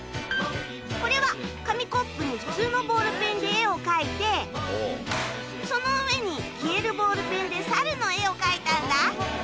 これは紙コップに普通のボールペンで絵を描いてその上に消えるボールペンでサルの絵を描いたんだ。